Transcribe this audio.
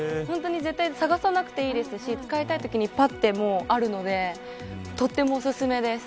探さなくていいですし使いたいときにぱっと、あるのでとってもおすすめです。